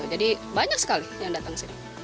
jadi banyak sekali yang datang sini